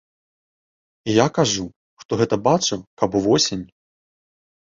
І я кажу, хто гэта бачыў, каб увосень.